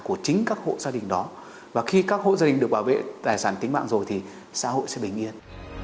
của chính các hộ gia đình đó và khi các hộ gia đình được bảo vệ tài sản tính mạng rồi thì xã hội sẽ bình yên